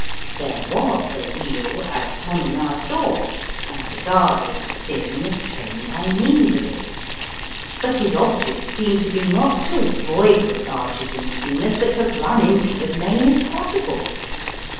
There was a wheel, as Tommy now saw, and the guard was steering the train by means of it, but his object seemed to be not to avoid the barges and steamers but to run into as many as possible.